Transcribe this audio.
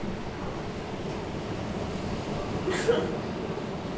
分布在台湾高山草地。